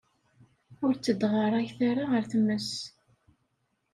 Ur ttedɣaṛayet ara ar tmes.